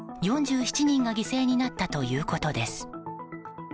４７人が犠牲になったということです。